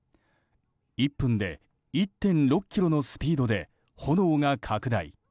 １分で１．６キロのスピードで炎が拡大。